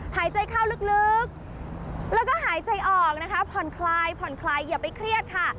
หายใจเข้าลึกแล้วก็หายใจออกนะคะผ่อนคลายผ่อนคลายอย่าไปเครียดค่ะ